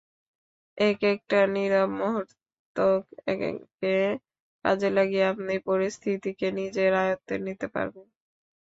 একেকটা নীরব মুহূর্তকে কাজে লাগিয়ে আপনি পরিস্থিতিকে নিজের আয়ত্তে নিতে পারবেন।